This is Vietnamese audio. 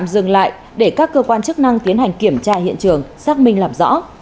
các chiếc máy bay này phải tạm dừng lại để các cơ quan chức năng tiến hành kiểm tra hiện trường xác minh làm rõ